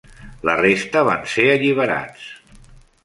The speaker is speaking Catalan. La resta van ser alliberats.